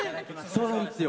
そうなんですよ。